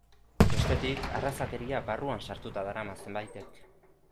Bestetik, arrazakeria barruan sartuta darama zenbaitek.